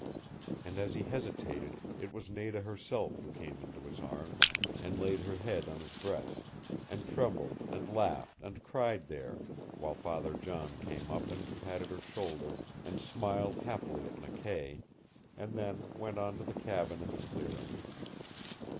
And as he hesitated it was Nada herself who came into his arms, and laid her head on his breast, and trembled and laughed and cried there, while Father John came up and patted her shoulder, and smiled happily at McKay, and then went on to the cabin in the clearing.